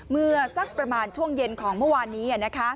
เมื่อสักประมาณช่วงเย็นของเมื่อวานนี้